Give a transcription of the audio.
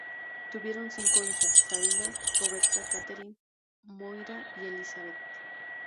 Tuvieron cinco hijas; Sabina, Roberta, Catherine, Moira, y Elizabeth.